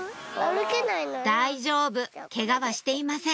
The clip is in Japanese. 大丈夫ケガはしていません